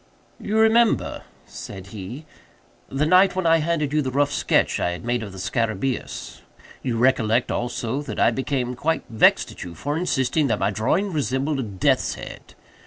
"You remember;" said he, "the night when I handed you the rough sketch I had made of the scarabæus. You recollect also, that I became quite vexed at you for insisting that my drawing resembled a death's head.